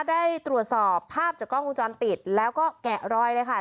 ได้ตรวจสอบภาพจากกล้องวงจรปิดแล้วก็แกะรอยเลยค่ะ